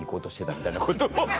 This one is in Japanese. みたいなこと。